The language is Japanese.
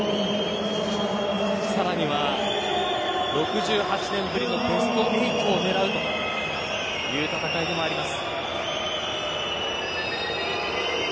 さらには６８年ぶりのベスト８を狙うという戦いでもあります。